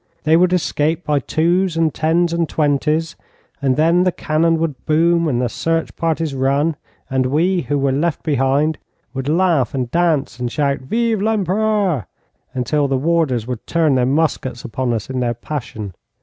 They would escape by twos and tens and twenties, and then the cannon would boom, and the search parties run, and we, who were left behind, would laugh and dance and shout 'Vive l'Empereur' until the warders would turn their muskets upon us in their passion.